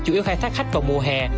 chủ yếu khai thác khách vào mùa hè